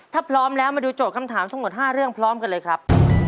ถ้าพร้อมแล้วมาดูโจทย์คำถามทั้งหมด๕เรื่องพร้อมกันเลยครับ